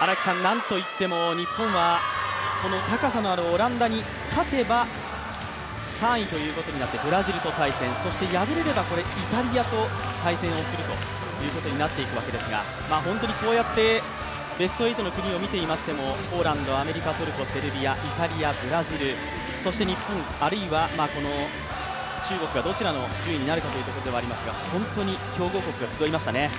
荒木さん、なんといっても日本はこの高さのあるオランダに勝てば３位ということになってブラジルと対戦、そして敗れればイタリアと対戦をするということになっていくわけですが本当にこうやってベスト８の国を見ていましてもポーランド、アメリカトルコ、セルビア、イタリア、ブラジル、そして日本あるいは中国がどちらの順位になるかということになりますが本当に強豪国が集いましたね。